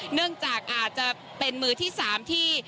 เนื่องจากอาจจะเป็นมือที่๓ที่